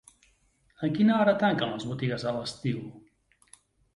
A quina hora tanquen les botigues a l'estiu?